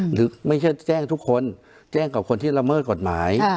หรือไม่ใช่แจ้งทุกคนแจ้งกับคนที่ละเมิดกฎหมาย